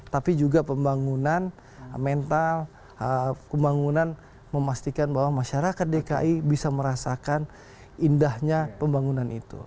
tapi juga pembangunan mental pembangunan memastikan bahwa masyarakat dki bisa merasakan indahnya pembangunan itu